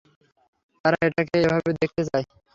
তারা এটাকে এভাবেই দেখতে চায়।